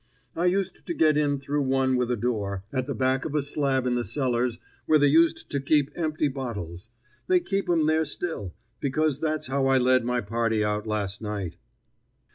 I used to get in through one with a door, at the back of a slab in the cellars where they used to keep empty bottles; they keep 'em there still, because that's how I led my party out last night."